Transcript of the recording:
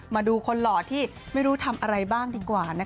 มาดูคนหล่อที่ไม่รู้ทำอะไรบ้างดีกว่า